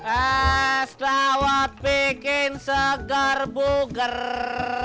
as dawat bikin segar buger